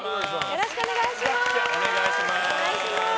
よろしくお願いします！